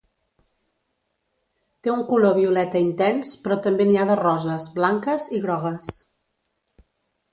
Té un color violeta intens, però també n'hi ha de roses, blanques i grogues.